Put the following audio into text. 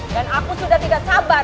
dan aku sudah tidak sabar